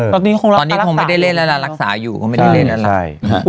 ตอนนี้คงไม่ได้เล่นแล้วล่ะรักษาอยู่คงไม่ได้เล่นแล้วล่ะ